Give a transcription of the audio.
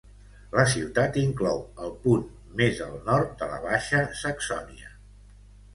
La ciutat inclou el punt més al nord de la Baixa Saxònia.